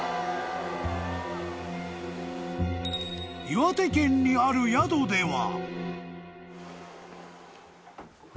［岩手県にある宿では］